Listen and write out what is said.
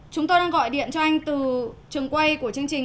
chúng tôi đang gọi điện cho anh từ trường quay của chương trình